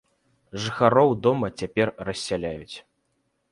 Жыхароў дома цяпер рассяляюць.